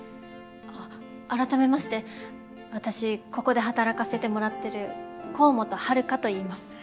改めまして私ここで働かせてもらってる幸本ハルカといいます。